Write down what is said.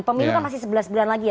pemilu kan masih sebelas bulan lagi ya